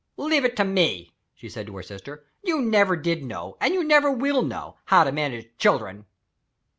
"Leave it to me," she said to her sister. "You never did know, and you never will know, how to manage children."